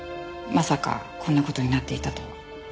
まさかこんな事になっていたとは。